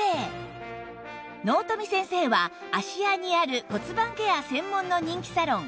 納富先生は芦屋にある骨盤ケア専門の人気サロン